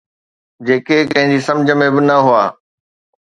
جيڪي ڪنهن جي سمجهه ۾ به نه هئا.